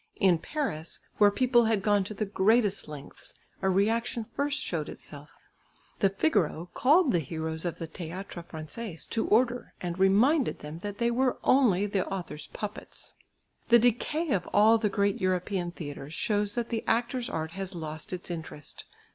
In Paris, where people had gone to the greatest lengths, a reaction first showed itself. The Figaro called the heroes of the Théâtre Français to order, and reminded them that they were only the author's puppets. The decay of all the great European theatres shows that the actor's art has lost its interest.